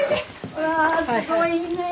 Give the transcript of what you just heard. うわすごいねえ！